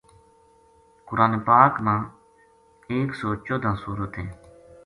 قرآن پاک ما ما ایک سو چوداں سورت ہیں۔